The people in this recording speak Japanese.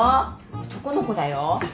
男の子だよ。